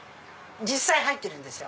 実際入ってるんですよ。